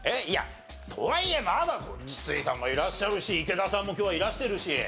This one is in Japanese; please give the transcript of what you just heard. いやとはいえまだ筒井さんもいらっしゃるし池田さんも今日はいらしてるし。